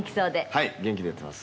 「はい元気でやってます」